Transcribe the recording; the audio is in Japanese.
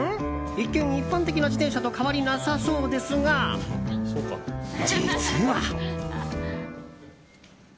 一見、一般的な自転車と変わりなさそうですが、実は。